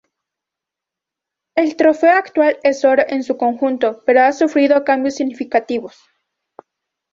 El trofeo actual es oro en su conjunto, pero ha sufrido cambios significativos.